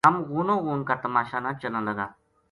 ہم غونو غون کا تماشا نا چلاں لگا‘‘